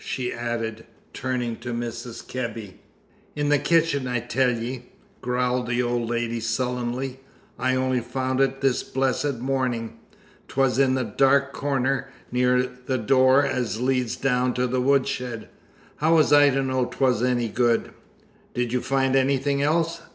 she added, turning to Mrs. Kebby. "In the kitchen, I tell ye," growled the old woman sullenly. "I only found it this blessed morning. 'Twas in a dark corner, near the door as leads down to the woodshed. How was I to know 'twas any good?" "Did you find anything else?"